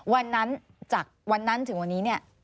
วันนั้นจากวันนั้นถึงวันนี้เนี่ย